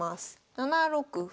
７六歩。